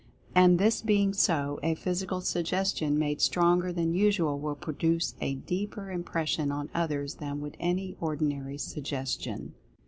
And, this being so, a Physical Suggestion made stronger than usual will produce a deeper impression on others than would any ordinary suggestion.